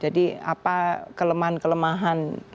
jadi apa kelemahan kelemahan